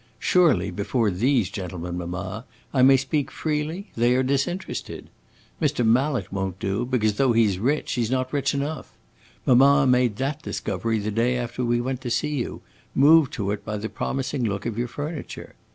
Surely, before these gentlemen, mamma, I may speak freely; they are disinterested. Mr. Mallet won't do, because, though he 's rich, he 's not rich enough. Mamma made that discovery the day after we went to see you, moved to it by the promising look of your furniture.